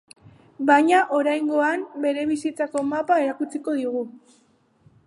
Baina oraingoan bere bizitzako mapa erakutsiko digu.